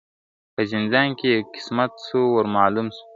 په زندان کی یې قسمت سو ور معلوم سو ,